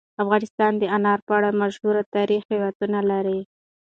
افغانستان د انار په اړه مشهور تاریخی روایتونه لري.